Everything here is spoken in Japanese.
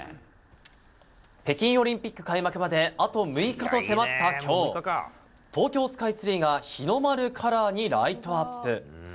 北京オリンピック開幕まであと６日と迫った今日東京スカイツリーが日の丸カラーにライトアップ。